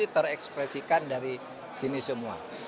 terekspresikan dari sini semua